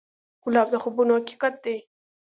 ګلاب د خوبونو حقیقت دی.